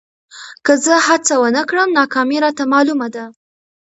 که زه هڅه ونه کړم، ناکامي راته معلومه ده.